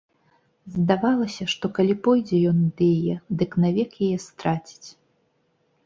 Здавалася, што калі пойдзе ён ад яе, дык навек яе страціць.